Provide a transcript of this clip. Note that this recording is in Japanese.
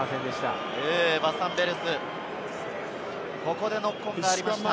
ただノックオンがありました。